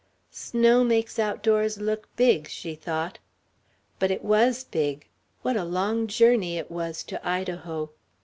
Snow makes outdoors look big, she thought. But it was big what a long journey it was to Idaho.